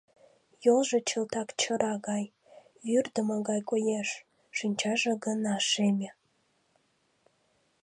Йолжо чылтак чыра гай, вӱрдымӧ гай коеш, шинчаже гына шеме.